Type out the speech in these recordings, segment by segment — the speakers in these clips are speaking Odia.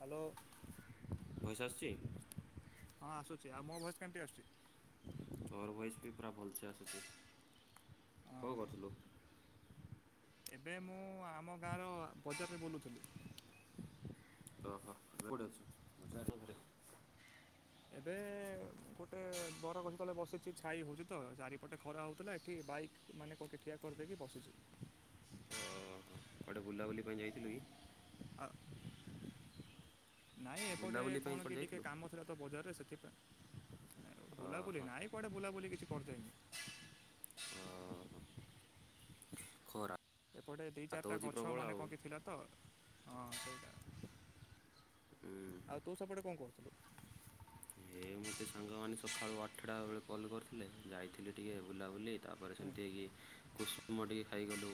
ହ୍ୟାଲୋ। ଭୟେସ ଆଶୁଚି? ହଁ ଆସୁଛି ଆଉ ମୋ ଭୟସ କେମିତି ଆଶୁଚି? ତୋର ଭୟେସ ବି ପୁରା ଭଲସେ ଆସୁଛି। କଣ କରୁଥିଲୁ? ଏବେ ମୁଁ ଆମ ଗାଁର ବଜାରରେ ବୁଲୁଥିଲି। ଓହୋ କୋଉଠି ଅଛୁ? ବଜାରରେ ଏବେ ଗୋଟେ ବରଗଛ ତଳେ ବସିଛି ଛାଇ ହଉଛି ତ ଚାରିପଟେ ଖରା ହଉଥିଲା। ଏଠି ବାଇକ୍ ମାନେ କୋଉଠି ଠିଆ ଉପରେ ଦେଇକି ବସିଛି। ଓହୋ କୁଆଡ଼େ ବୁଲାବୁଲି ପାଇଁ ଯାଇଥିଲ କି? ଆ ନାଇଁ ଏପଟେ ବୁଲାବୁଲି ପାଇଁ କଣ କୁଆଡ଼େ କି ଟିକେ ଯାଇଥିଲୁ କାମ ଥିଲା ତ ବଜାରରେ ସେଥିପାଇଁ, ବୁଲାବୁଲି ନାଇଁ କୁଆଡ଼େ ବୁଲାବୁଲି କିଛି କରିଯାଇନି। ଓ ହୋ ଖରା ଏପଟେ ଦି ତ ଚାରିଟା ହେଉଛି ଗଛ ପ୍ରବଳ ମାନେ ଆଉ କଣ କି ଥିଲା ତ, ହଁ ସେଇଟା। ଉଁ। ଆଉ ତୁ ସେପଟେ କଣ କରୁଥିଲୁ? ଏ ମୋତେ ସାଙ୍ଗମାନେ ସକାଳୁ ଆଠଟା ବେଳେ କଲ୍ କରିଥିଲେ, ଯାଇଥିଲି ଟିକିଏ ବୁଲାବୁଲି ତାପରେ ହୁଁ ସେମିତି ୟେ କୁଷୁମ ଟିକେ ଖାଇଗଲୁ।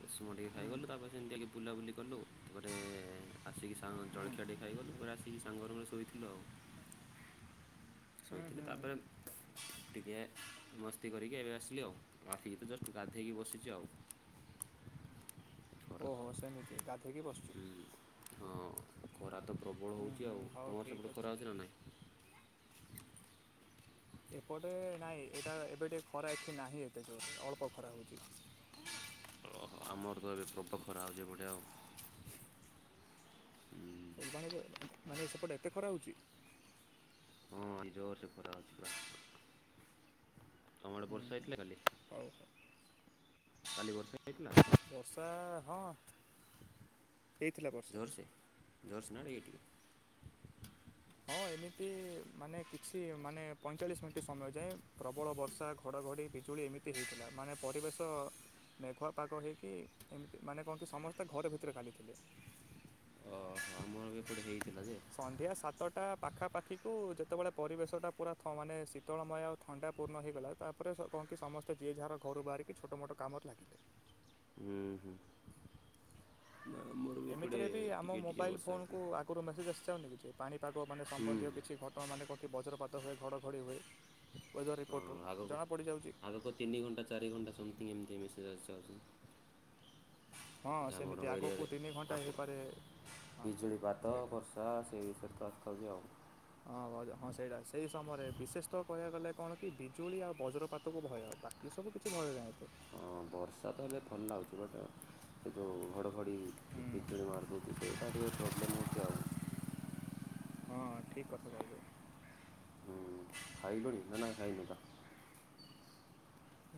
କୁଷୁମ ଟିକେ ହୁଁ ଖାଇଗଲୁ ତାପରେ ସେମିତି ଯାଇକି ବୁଲାବୁଲି କଲୁ, ଗୋଟେ ଆସିକି ସା ହୁଁ ଜଳଖିଆ ଟିକେ ଖାଇଗଲୁ ପୁରା ଆସିକି ସାଙ୍ଗ ରୁମ୍ ରେଶୋଇଥିଲୁ ଆଉ। ହୁଁ ଶୋଇଥିଲି ହୁଁ ତାପରେ ଟିକିଏ ମସ୍ତି କରିକି ଏବେ ଆସିଲି ଆଉ ଆସିକି ତ ଜଷ୍ଟ ଗାଧେଇକି ବସିଛି ଆଉ। ଓହୋ ସେମିତି ଗାଧେଇ କି ବସିଛ। ହ ହଁ ଖରା ତ ପ୍ରବଳ ହୁଁ ହେଉଛି ହୁଁ ଆଉ ହଉ ତୁମର ଠିକ୍ ସେପଟେ ଅଛି। ଖରା ହୋଉଛି ନା ନାହିଁ। ଏପଟେ ନାହିଁ ଏଇଟା ଏବେ ଟିକେ ଖରା ଏଠି ନାହିଁ ଏତେ ଜୋରେ ଅଳ୍ପ ଖରା ହେଉଛି। ହଁ ଆମର ତ ଏବେ ପ୍ରବଳ ଖରା ହୋଉଛି ଏପଟେ ଆଉ। ହୁଁ ମାନେ ମାନେ ସେପଟେ ଏତେ ଖରା ହଉଛି? ହଁ ଏ ଜୋର ସେ ଖରା ହୋଉଛି ପା, ତମ ଆଡ଼େ ହୁଁ ବର୍ଷା ହୁଁ ହେଇଥିଲା କାଲି? ହଉ ହଉ। କାଲି ବର୍ଷା ହେଇଥିଲା? ବର୍ଷା ହଁ। ହେଇଥିଲା ବର୍ଷା ଜୋର ସେ ଜୋରସେ ନା ଟିକେ ଟିକେ? ହଁ ଏମିତି ମାନେ କିଛି ମାନେ ପଇଁଚାଳିଶ ମିନିଟ୍ ସମୟ ଯାଏଁ ପ୍ରବଳ ବର୍ଷା ଘ ଘଡ଼ଘଡ଼ି ବିଜୁଳି ଏମିତି ହେଇଥିଲା, ମାନେ ପରିବେଶ ମେଘୁଆ ପାଗ ହେଇକି ଏମିତି ମାନେ କହନ୍ତି ସମସ୍ତେ ଘର ଭିତରେ କାଲି ଥିଲେ। ଓ ହୋ ଆମର ବି ଏପଟେ ହେଇଥିଲା ଯେ। ସନ୍ଧ୍ୟା ସାତଟା ପାଖାପାଖିକୁ ଯେତେବେଳେ ପରିବେଶଟା ପୁରା ମାନେ ଶୀତଳମୟ ଆଉ ଥଣ୍ଡା ପୂର୍ଣ୍ଣ ହେଇଗଲା ତାପରେ କଣ କି ସମସ୍ତେ ଯିଏ ଯାହାର ଘରୁ ବାହାରିକି ଛୋଟ ମୋଟ କାମରେ ଲାଗି ହୁଁ ହୁଁ, ନା ଆମର ବି ଏପଟେ ଟିକେ ଟିକେ ବର୍ଷା ହେଇଥିଲା। ଉପରୁ ମେସେଜସ୍ ଯାଉନି କି ପାଣିପାଗ ମାନେ ସମ୍ବନ୍ଧୀୟ ହୁଁ କିଛି ଘଟଣା ମାନେ କୋଉଠି ବଜ୍ରପାତ ହୁଏ ଘଡ଼ଘଡ଼ି ହୁଏ। ୱେଦର୍ ହଁ ରିପୋର୍ଟରୁ ଆଗକୁ ଜଣାପଡ଼ିଯାଉଚି। ଆଗକୁ ତିନି ଘଣ୍ଟା ଚାରି ଘଣ୍ଟା ସମଥିଙ୍ଗ ଏମିତି ମେସେଜ୍ ଆସିଯାଉଛି। ହଁ ସେମିତି ଆମଣଙ୍କ ଆଗକୁ ଏରିଆରେ ତିନି ଘଣ୍ଟା ଆପ ହେଇପାରେ ହଁ ବିଜୁଳିପାତ, ସେଇଟା। ବର୍ଷା ସେ ବିଷୟରେ ତ ଆସି କବି ଆଉ। ହଁ ଭାଉଜ ହଁ ସେଇଟା ସେଇ ସମୟରେ ବିଶେଷତଃ କହିବାକୁ ଗଲେ କଣ କି ବିଜୁଳି ଆଉ ବଜ୍ରପାତକୁ ଭୟ ବା ଏ ସବୁ କିଛି ଭୟ ନାହିଁ ଏତେ। ହଁ ବର୍ଷା ତ ହେଲେ ଥଣ୍ଡା ହଉଛି ମତେ। ସେ ଯୋଉ ଘଡ଼ଘଡ଼ି, ହୁଁ। ବିଜୁଳି ମାରୁଦଉଚି ସେଇଟା ଟିକେ ପ୍ରୋବ୍ଲେମ୍ ହଉଛି ଆଉ। ହଁ ଠିକ୍ କଥା କଇଲୁ। ହୁଁ ଖାଇଲୁଣି, ନା ନାଇଁ ଖାଇନୁ ତ।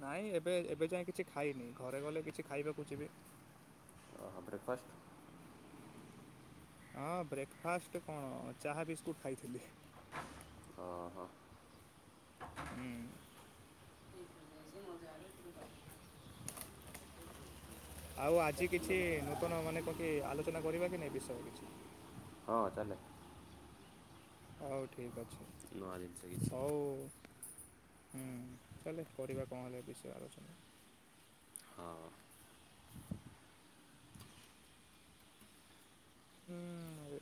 ନାଇଁ ଏବେ ଏବେ ଯାଏ କିଛି ଖାଇନି, ଘରେ ଗଲେ କିଛି ଖାଇବାକୁ ଯିବି। ଓହୋ ବ୍ରେକଫାଷ୍ଟ। ହଁ ବ୍ରେକଫାଷ୍ଟ କଣ ଚାହା ବିସ୍କୁଟ୍ ଖାଇଥିଲି। ଅ ହ। ହୁଁ [unintelligible] ଆଉ ଆଜି କିଛି ନୂତନ ମାନେ କନଙ୍କି ଆଲୋଚନା କରିବା କି ନାଇ ବିଷୟ କିଛି। ହଁ ଚାଲେ। ହୋଉ ଠିକ୍ ଅଛି ନୂଆ ଜିନିଷ କିଛି ହୋଉ ହୁଁ ଚାଲେ କରିବା କଣ ହେଲେ ବିଷୟ ଆଲୋଚନା? ହଁ। ଉଁ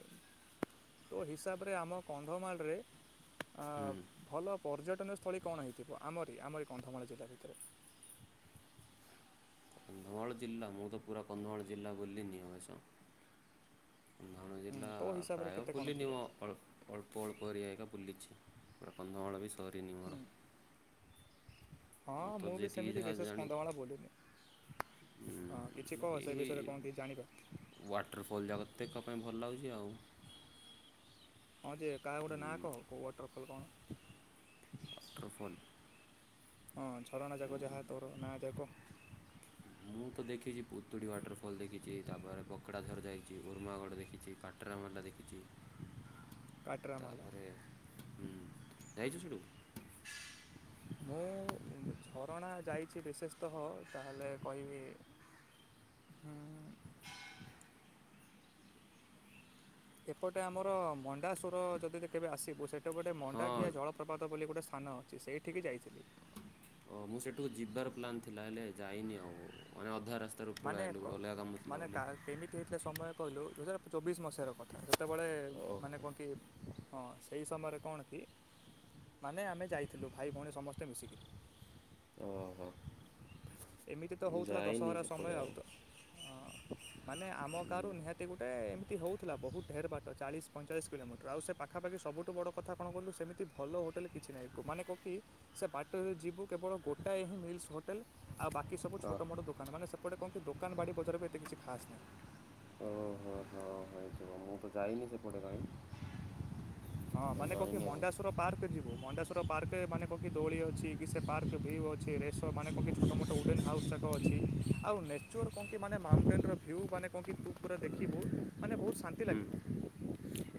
ତୋ ହିସାବରେ ଆମ କନ୍ଧମାଳରେ ଆଁ ହୁଁ ଭଲ ପର୍ଯ୍ୟଟନ ସ୍ଥଳୀ କଣ ହେଇଥିବ ଆମରି ଆମରି କନ୍ଧମାଳ ଜିଲ୍ଲା ଭିତରେ? କନ୍ଧମାଳ ଜିଲ୍ଲା ମୁଁତ ପୁରା କନ୍ଧମାଳ ଜିଲ୍ଲା ବୁଲିନୀ ଅବ୍ୟଶ। କନ୍ଧମାଳ ହୁଁ ଜିଲ୍ଲା ତୋ ହିସାବରେ ପ୍ରାୟ କେତେ କ'ଣ ବୁଲିନି ଥିବ ମୁଁ ଅଳ୍ପ ଅଳ୍ପ ଅଳ୍ପ ହାରିଏକା ବୁଲିଛି ପୁରା କନ୍ଧମାଳବି ସରି ତିନି ହୁଁ ମର ମୁ ହଁ ତ ମୁଁ ବି ଯେତିକି ସେମିତି ଯାହା ବିଶେଷ ଜାଣି କନ୍ଧମାଳ ବୁଲିନି ହଁ କିଛି କହ ବାକି ସେ ବିଷୟରେ କଣ କିଛି ଜାଣିବା? ୱାଟରଫଲ୍ ଯାକ [unintelligible] ପାଇଁ ଭଲ ଲାଗୁଚି ଆଉ। ହଁ ଯେ କାହା ଗୋଟେ ନାଁ କହ କୋଉ ୱାଟରଫଲ୍ କଣ? ୱାଟରଫଲ୍ ହଁ ଝରଣା ଯାକ ଯାହା ତୋର ନାଁ ଯାକ। ମୁଁ ତ ଦେଖିଛି ପୁତୁଡ଼ି ୱାଟରଫଲ୍ ଦେଖିଚି ତାପରେ ବକଡ଼ାଝର ଯାଇଚି ଉର୍ମାାଗଡ଼ ଦେଖିଛି କା ଅଟ୍ରାମଲା ଦେଖିଛି କାଟରାମାଲା ତାପରେ ହୁଁ ଯାଇଚୁ ସେଠୁ? ମୁଁ ଝରଣା ଯାଇଚି ବିଶେଷତଃ ତାହେଲେ କହିବି ହୁଁ। ଏପଟେ ଆମର ମଣ୍ଡା ଶୁର ଯଦି ତୁ କେବେ ଆସିବୁ ସେଟପଟେ ମଣ୍ଡା ହଁ କିଆ ଜଳ ହଥପାତ ବୋଲି ଗୋଟେ ସ୍ଥାନ ଅଛି ସେଇଠିକି ଯାଇଥିଲି। ଓହୋ ମୁଁ ସେଠୁକୁ ଯିବାର ପ୍ଲାନ୍ ଥିଲା ହେଲେ ଯାଇନି ଆଉ ମାନେ ଅଧା ରାସ୍ତା ମାନେ ପଳେଇଆଇଲୁ ଗୋଟେ ଅଲଗା କାମ ଥିଲା ମାନେ ବୋଲି। କେମିତି ହେଇଥିଲା ସମୟ କହିଲୁ ଦୁଇ ହଜାର ଚବିଶି ମସିହାର କଥା ସେତେବେଳେ ମାନେ ଓହୋ କଣ କି ହଁ। ସେଇ ସମୟରେ କଣ କି ମାନେ ଆମେ ଯାଇଥିଲୁ ଭାଇ ଭଉଣୀ ସମସ୍ତେ ମିଶିକିରି। ଓହୋ ଏମିତି ତ ହେଉଥିଲା ଯାଇନି ଦଶହରା ସମୟ ସେପଟେ ଆଉ ତ ହଁ। ଆଉ। ମାନେ ଆମ ହୁଁ। ଗାଁ ରୁ ନିହାତି ଗୋଟେ ଏମିତି ହଉଥିଲା ବହୁତ୍ ଢେରେ ବାଟ ଚାଳିଶି ପଇଁଚାଳିଶି କିଲୋମିଟର ଆଉ ସେ ପା ପାଖାପାଖି ସବୁଠୁ ବଡ଼ କଥା କଣ କଇଲୁ ସେମିତି ଭଲ ହୋଟେଲ୍ କିଛି ନାହିଁ ମାନେ କଣ କି ସେ ବାଟରେ ଯିବୁ କେବଳ ଗୋଟା ହିଁ ମିଲ୍ ସ ଆଉ ବାକି ସବୁ ଅ ଛୋଟ ମୋଟ ଦୋକାନ ମାନେ ସେପଟେ କଣକି ଦୋକାନ ବାଡ଼ି ବଜାର ବି ଏତେ କିଛି ଖାସ୍ ନାଇ। ଓହୋ ହଁ ହେଇଥିବ ମୁଁ ତ ଯାଇନି ସେପଟେ ଭାଇ। ହଁ ମାନେ କଣକି ମଣ୍ଡାଶୁର ପାର୍କ ଯିବୁ ମଣ୍ଡାଶଶୁର ପାର୍କରେ ମାନେ କଣକି ଦୋଳି ଅଛି କି ସେ ପାର୍କରେ ଭିଉ ଅଛି ରେଷ୍ଟ ତ ମାନେ କଣକିି ଛୋଟ ମୋଟ ଉଡ଼େନ ହାଉସ୍ ଯାକ ଅଛି ଆଉ ନେଚର୍ କଁ କି ମାନେ ମାଉଣ୍ଟେନର ଭ୍ୟୁ ମାନେ କଁ କି ପୁରା ଦେଖିବୁ ମାନେ ବହୁତ ଶାନ୍ତି ହୁଁ ଲାଗିବ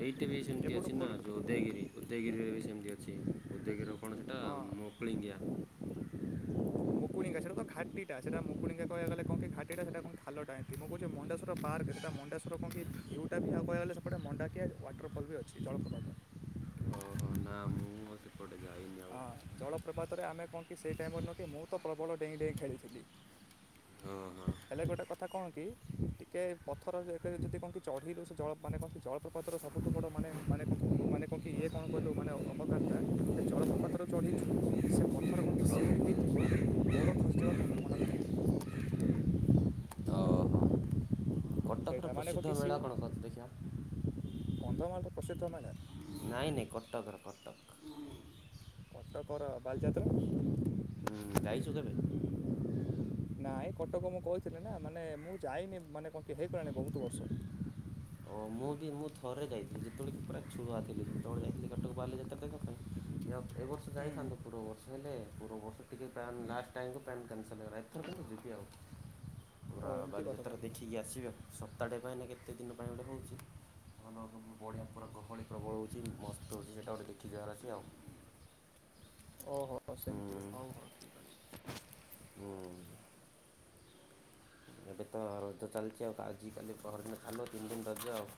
ଏଇଟିବି ସେମ୍ ଟି ଏପଟୁ ଅଛି ନା ଖୋଲ ଯୋଉ ଉଦୟଗିରି ଉଦୟଗିରିରେ ବି ସେମିତି ଅଛି ଉଦୟଗିରିର କଣ ସେଇଟା ମକୁଳିଙ୍ଗିଆ। ମୁକୁଣିିଙ୍ଗା ସେଟା ତ ଘାଟିଟା ସେଟା ମୁକୁଳିଙ୍କା କହିବାକୁ ଗଲେ କଣକି ଘାଟିଟା ସେଟା କଁ ଖାଲଟା ଏମତି ମୁଁ କହୁଛି ମଣ୍ଡେଶର ପାର୍କ ସେଟା ମଣ୍ଡେଶ୍ ର କଣକି ଭ୍ୟୁଟାକୁ ଆଉ କହିବାକୁ ଗଲେ ସେପଟେ ମଣ୍ଡାଖିଆ ୱାଟରଫଲ୍ ବି ଅଛି ଜଳପ୍ରପାତ। ଓହୋ ନା ମୁଁ ସେପଟେ ଯାଇନି ଆଉ। ହଁ ଜଳପ୍ରପାତରେ ଆମେ କଣକି ସେହି ଟାଇମ୍ ରେ ନୁହଁ କି ମୁଁ ତ ପ୍ରବଳ ଡେଇଁ ଡାଇଁ ଖେଳିଥିଲି। ଓହୋ। ହେଲେ ଗୋଟେ କଥା କଣକି ଟିକେ ପଥରରେ କେତେବେଳେ ଯଦି କଁ କି ଚଢିଲୁ ସେ ଜଳ ମାନେ କଁ କି ସେ ଜଳପ୍ରପାତର ସବୁଠୁ ବଡ଼ ମାନେ ମାନେ କଁ କି ମାନେ କଁ କି ଇଏ କଣ କହିଲୁ ମାନେ ଅ [unintelligible] ଚଢିଛୁ ସେସମ ହଁ। [unintelligible] [inaudible] ଅ ହ ସେଇଟା କଟକର ମାନେ କ'ଣ ପ୍ରସିଦ୍ଧ କି ସିଉ ମେଳା କଣ କହ ତ ଦେଖିଆ? କନ୍ଧମାଳର ପ୍ରସିଦ୍ଧ ମେଳା? ନାଇଁ ନାଇଁ କଟକର କଟକ। କଟକର ବାଲିଯାତ୍ରା। ହୁଁ ଯାଇଛୁ କେବେ? ନାଇଁ କଟକ ମୁଁ କହିଥିଲି ନା ମାନେ ମୁଁ ଯାଇନି ମାନେ କଣ କି ହେ ଗଲାଣି ବହୁତ ବର୍ଷ। [inaudible] ଅ ମୁଁ ବି ମୁଁ ଥରେ ଯାଇଥିଲି ଯେତବେଳେ କି ପୁରା ଛୁଆ ଥିଲି ସେତବେଳେ ଯାଇଥିଲି କଟକ ବାଲିଯାତ୍ରା ଦେଖିବା ପାଇଁ। ଏ ଅ ଏବର୍ଷ ଯାଇଥାନ୍ତୁ ପୂର୍ବବର୍ଷ ହେଲେ ପୂର୍ବବର୍ଷ ଟିକେ ପ୍ଲାନ୍ ଲାଷ୍ଟ ଟାଇମ କୁ ପ୍ଲାନ୍ କ୍ୟାନସଲ ହେଇଗଲା। ଏଥର କିନ୍ତୁ ଯିବି ଆଉ ଓ ପୁରା ଏମିତି କଥା ବାଲିଯାତ୍ରା ତାହେଲେ ଦେଖିକି ଆସିବା ସପ୍ତାହଟେ ପାଇଁନା କେତେ ଦିନ ପାଇଁ ଗୋଟେ ହଉଚି। ଘନ ଘନ ବଢ଼ିଆ ପୁରା ଗହଳି ପ୍ରବଳ ହଉଛି ମସ୍ତ ହଉଚି ସେଇଟା ଗୋଟେ ଦେଖି ଯିବାର ଅଛି ଆଉ। [inaudible] ହୁଁ [unintelligible] ହୁଁ। ଏବେ ତ ରଜ ଚାଲଚି ଆଉ ଆଜିକାଲି ପହର୍ଦିନ ଚାଲୁ ତିନି ଦିନ ରଜ ଆଉ।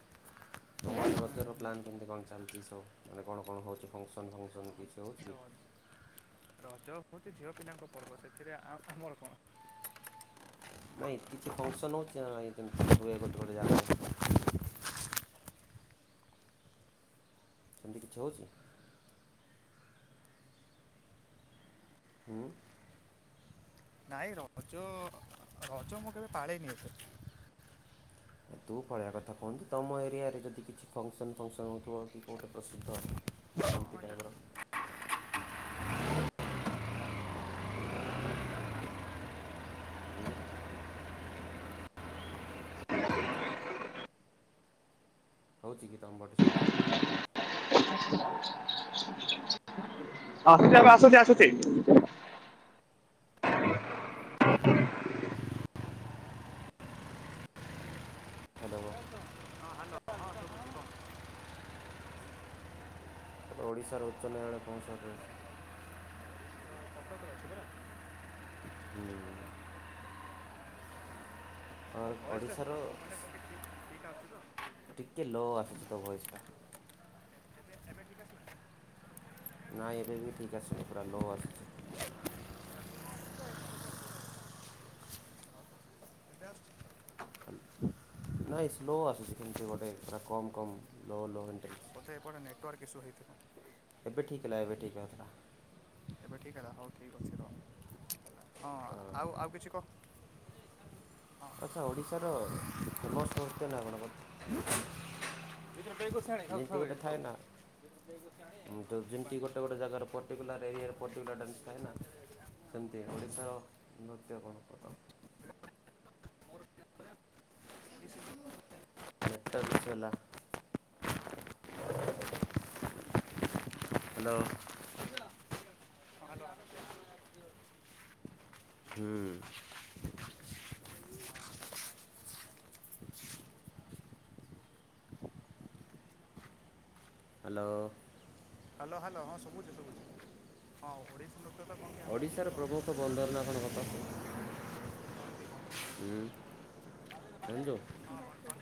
ତମ ଆଡ଼େ ରଜର ଅଛି ପ୍ଲାନ୍ କେମିତି କଣ ଚାଲଚି ସବୁ ମାନେ କଣ କଣ ହଉଛି ଫଙ୍କସନ୍ ଫଙ୍କସନ୍ କିଛି ହଉଚି ହୁଁ କି? ହଁ ତ ରଜ ହଉଚି ଝିଅ ପିଲାଙ୍କ ପର୍ବ ସେଥିରେ ଆ ଆମର କଣ? ନାଇଁ କିଛି ଫଙ୍କସନ୍ ଅଛି ନା ନାଇଁ ଯେମତି ହୁଏ ଗୋଟେ ଗୋଟେ ଜାଗାରେ? ସେମତି କିଛି ହଉଛି? ହୁଁ। ନାଇଁ ରଜ ରଜ ମୁଁ କେବେ ପାଳେନି ଏତେ। ତୁ ପଳେଇଆ କଥା କୁହନ୍ତୁ ତମ ଏରିଆରେ ଯଦି କିଛି ଫଙ୍କସନ୍ ଫଙ୍କସନ୍ ହଉଥିବ କି କୋଉଟା ପ୍ରସିଦ୍ଧ? ଏମିତି ଟାଇପର [inaudible] ଉଁ? [inaudible] ହଉଛି କି ତମ ବଟେ ସେମିତି? [inaudible] [inaudible] [unintelligible] ଏବେ ଆସୁଛି ଆସୁଛି। [inaudible] [inaudible] ହ୍ୟାଲୋ। ହଁ ହ୍ୟାଲୋ ହଁ ସୁବୁଛି କହ। ଓଡ଼ିଶାର ଉଚ୍ଚ ନ୍ୟାୟାଳୟ କେଉଁ ସହରରେ ଅଛି? ହୁଁ। ହ ମୋ ଭଏସ୍ଟା ଓଡ଼ିଶାର ସବୁ ମାନେ ଟିକେ ଠିକ୍ ଠିକ୍ ଆସୁଛି ତ ଟିକେ ଲୋ ଆସୁଛି ତୋ ଭଏସ୍ ଟା। ଏବେ ଠିକ୍ ଆସିଲା ନାହିଁ ଏବେ ବି ଠିକ୍ ଆସୁନି ପୁରା ଲୋ ଆସୁଛି। ଏବେ ଆସୁଛି କାଲି ନାଇ ସ୍ଲୋ ଆସୁଛି କେମିତି ଗୋଟେ ପୁରା କମ୍ କମ୍ ଲୋ ଲୋ ଇଣ୍ଟେନ୍ସି ତେ ଏପଟେ ନେଟୱାର୍କ ଇସୁ ହୋଇଥିବ। ଏବେ ଠିକ ହେଲା ଏବେ ଠିକ ଆଉଥିଲା। ଏବେ ଠିକ ହେଲା ହଉ ଠିକ୍ ଅଛି ର ହେଲା ହଁ ହେଉଥିଲା ଆଉ ଆଉ କିଛି କହ। ଆଚ୍ଛା ଓଡ଼ିଶାର ଫେମସ୍ ନୃତ୍ୟ ନା କଣ କହତ? [unintelligible] ଯେମିତି ଗୋଟେ ଥାଏ ନା ଯେମିତି ଗୋଟେ ଗୋଟେ ଜାଗାର ପ ପର୍ଟିକୁଲାର ଏରିଆରେ ପର୍ଟିକୁଲାର ଡ୍ୟାନ୍ସ ଥାଏ ନା ସେମିତି ଓଡ଼ିଶାର ନୃତ୍ୟ କଣ କହତ? ନେଟୱର୍କ ଇସୁ ହେଲା। ହ୍ୟାଲୋ। ହୁଁ। ହାଲୋ। ହାଲୋ ହାଲୋ ହଁ ଶୁବୁଛି ଶୁବୁଛି ହଁ ଓଡ଼ିଶୀ ନୁର୍ତ୍ୟ ତ ଓଡ଼ିଶାର କି ପ୍ରମୁଖ ବନ୍ଦର ନା କଣ କହତ? ଉଁ ଜାଣିଛୁ। ଆମ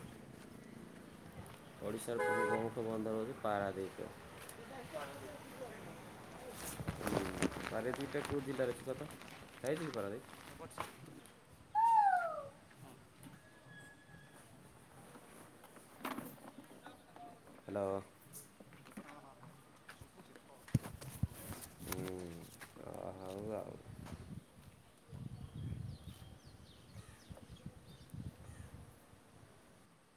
ଓଡ଼ିଶାର ପ୍ରମୁଖ ମୁଖ ବନ୍ଦର ହେଉଛି ପାରାଦ୍ୱୀପ ରେ। ହୁଁ ପାରାଦ୍ୱୀପ ଟା କଉଁ ଜିଲ୍ଲାରେ ଅଛି କହତ ଯାଇଛୁ କି ପାରାଦ୍ୱୀପ? ହଁ ହାଲୋ। ଉଁ ଅ ହଉ ଆଉ।